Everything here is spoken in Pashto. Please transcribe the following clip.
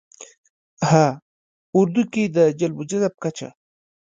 ه اردو کې د جلب او جذب کچه